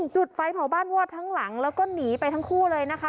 จุดไฟเผาบ้านวอดทั้งหลังแล้วก็หนีไปทั้งคู่เลยนะคะ